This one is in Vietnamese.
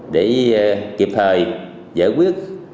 để kịp thời